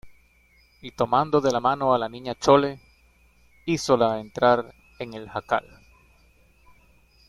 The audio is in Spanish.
y tomando de la mano a la Niña Chole, hízola entrar en el jacal.